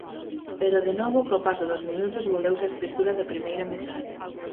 Pero de novo co paso dos minutos volveuse a espesura da primeira metade.